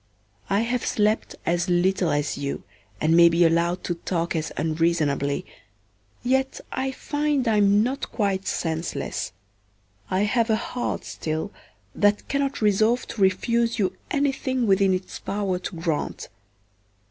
I have slept as little as you, and may be allowed to talk as unreasonably, yet I find I am not quite senseless; I have a heart still that cannot resolve to refuse you anything within its power to grant.